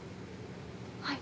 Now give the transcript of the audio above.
はい。